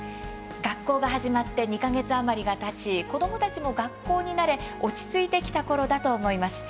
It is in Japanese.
学校が始まって２か月余りがたち子どもたちも学校に慣れ落ち着いてきたころだと思います。